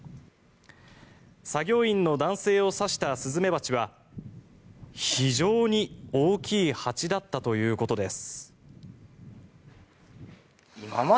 作業員の男性を刺したスズメバチは非常に大きい蜂だったということです。